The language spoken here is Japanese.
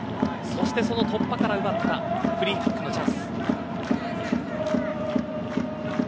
そして、その突破から奪ったフリーキックのチャンス。